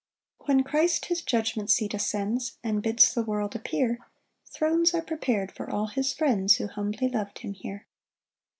6 When Christ his judgment seat ascends, And bids the world appear, Thrones are prepar'd for all his friends, Who humbly lov'd him here.